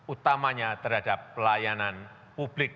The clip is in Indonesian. utamanya terhadap pelayanan publik